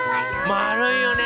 まるいよね